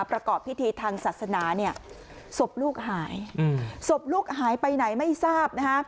ประกอบพิธีทางศาสนาเนี่ยศพลูกหายศพลูกหายไปไหนไม่ทราบนะฮะ